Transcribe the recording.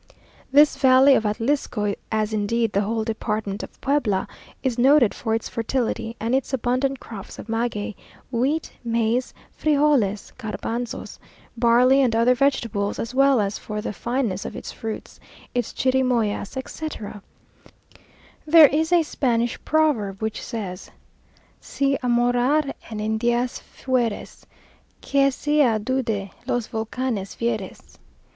This valley of Atlisco, as indeed the whole department of Puebla, is noted for its fertility, and its abundant crops of maguey, wheat, maize, frijoles, garbanzos, barley, and other vegetables, as well as for the fineness of its fruits, its chirimoyas, etc. There is a Spanish proverb which says, "Si a morar en Indías feures, Que sea doude los volcanes vieres."